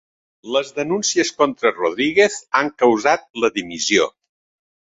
Les denúncies contra Rodríguez han causat la dimissió